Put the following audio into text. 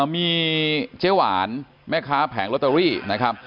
มีเจ๊หวานแม่ค้าแผงลอตเตอรี่